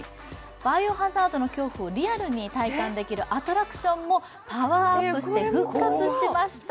バイオハザードの恐怖をリアルに楽しめるアトラクションがパワーアップして復活しました。